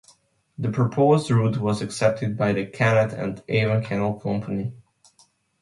The proposed route was accepted by the Kennet and Avon Canal Company.